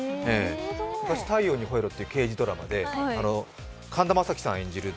昔「太陽にほえろ！」という刑事ドラマで神田正輝さん演じる